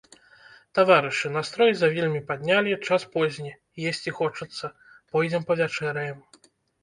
Таварышы, настрой завельмі паднялі, час позні, есці хочацца, пойдзем павячэраем.